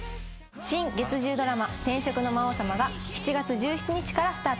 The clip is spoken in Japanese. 新月１０ドラマ『転職の魔王様』が７月１７日からスタートします。